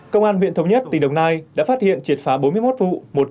công an huyện thống nhất tỉnh đồng nai đã phát hiện triệt phá bốn mươi một vụ